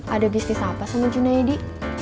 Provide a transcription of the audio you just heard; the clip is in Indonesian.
ada bisnis apa sama junaidi